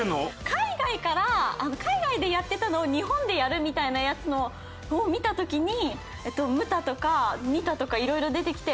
海外から海外でやってたのを日本でやるみたいなやつを見た時にムタとかニタとかいろいろ出てきて勉強しました。